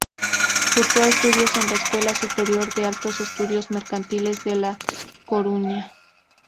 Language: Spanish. Cursó estudios en la Escuela Superior de Altos Estudios Mercantiles de La Coruña.